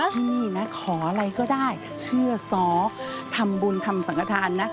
ที่นี่นะขออะไรก็ได้เชื่อซ้อทำบุญทำสังฆฐานนะ